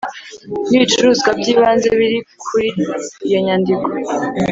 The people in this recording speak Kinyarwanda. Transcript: N ibicuruzwa by ibanze biri kuri iyo nyandiko